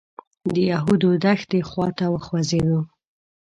د یهودو دښتې خوا ته وخوځېدو.